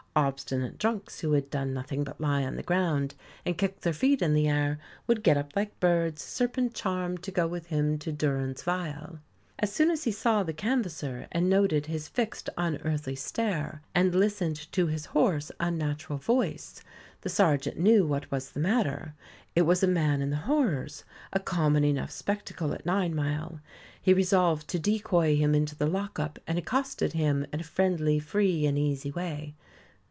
Obstinate drunks who had done nothing but lie on the ground and kick their feet in the air, would get up like birds, serpent charmed, to go with him to durance vile. As soon as he saw the canvasser, and noted his fixed, unearthly stare, and listened to his hoarse, unnatural voice, the sergeant knew what was the matter; it was a man in the horrors, a common enough spectacle at Ninemile. He resolved to decoy him into the lock up, and accosted him in a friendly, free and easy way.